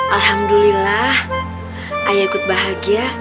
alhamdulillah ayah ikut bahagia